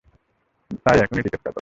তাই এখনই টিকেট কাটো।